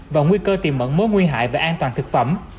và nguy cơ tiềm mận mối nguy hại về an toàn thực phẩm